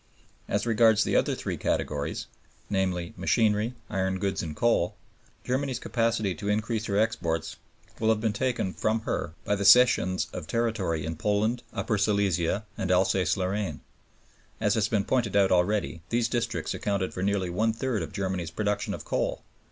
As regards the other three categories, namely, machinery, iron goods, and coal, Germany's capacity to increase her exports will have been taken from her by the cessions of territory in Poland, Upper Silesia, and Alsace Lorraine. As has been pointed out already, these districts accounted for nearly one third of Germany's production of coal.